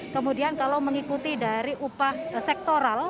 kemudian kalau mengikuti dari upah sektoral